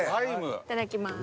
いただきます。